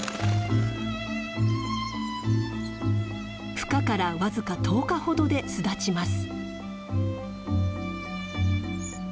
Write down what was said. ふ化から僅か１０日ほどで巣立ちます。